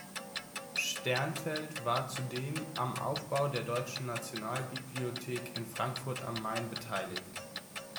Sternfeld war zudem am Aufbau der Deutschen Nationalbibliothek in Frankfurt am Main beteiligt.